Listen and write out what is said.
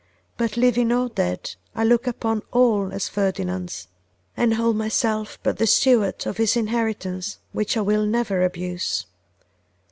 'But living or dead, I look upon all as Ferdinand's, and hold myself but the steward of his inheritance, which I will never abuse.